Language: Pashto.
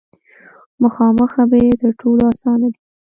مخامخ خبرې تر ټولو اسانه دي.